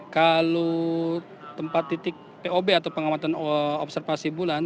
kalau tempat titik pob atau pengamatan observasi bulan